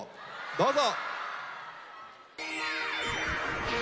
どうぞ。